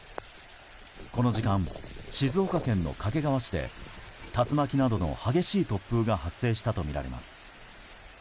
この時間、静岡県の掛川市で竜巻などの激しい突風が発生したとみられます。